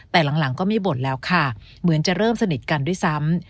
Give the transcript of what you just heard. แต่หลังก็ไม่บ่นแล้วค่ะเหมือนจะเริ่มสนิทกันด้วยซ้ำ